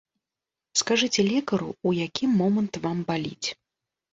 Скажыце лекару, у які момант вам баліць.